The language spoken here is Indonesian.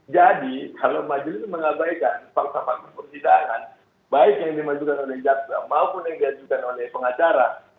jadi kalau majelis mengabaikan fakta fakta persidangan baik yang dimajukan oleh jaksa maupun yang diajukan oleh pengacara